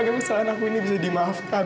agar kesalahan aku ini bisa dimaafkan